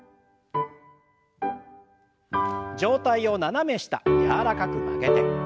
上体を斜め下柔らかく曲げて。